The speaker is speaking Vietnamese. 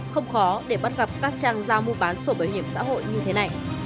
không khó để bắt gặp các trang giao mua bán sổ bảo hiểm xã hội như thế này